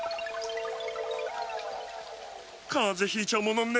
かぜひいちゃうものね。